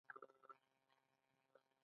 آیا کاناډا د موسیقۍ فستیوالونه نلري؟